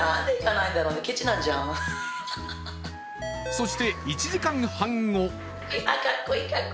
そして１時間半後。